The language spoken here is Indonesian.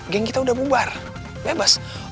geng kita udah bubar bebas